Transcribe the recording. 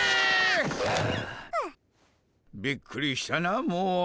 びっくりしたなもう。